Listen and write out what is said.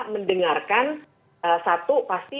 mendengarkan satu pasti